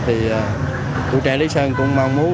thì tụi trẻ lý sơn cũng mong muốn